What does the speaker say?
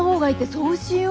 そうしよう。